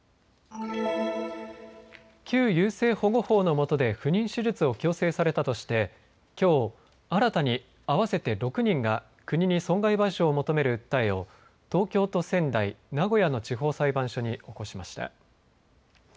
旧優生保護法のもとで不妊手術を強制されたとしてきょう新たに合わせて６人が国に損害賠償を求める訴えを東京と仙台、名古屋の地方裁判所に起こしました。